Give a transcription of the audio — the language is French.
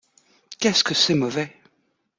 Qu’est-ce que c’est mauvais !